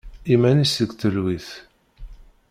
Iman-is deg telwit.